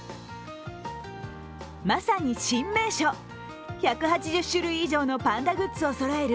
まさに新名所、１８０種類以上のパンダグッズをそろえる